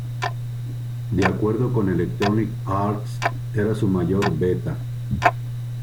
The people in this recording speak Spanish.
De acuerdo con Electronic Arts, era su mayor beta.